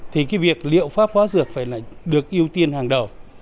thì việc liệu pháp hóa dược phải được ưu tiên hàng đầu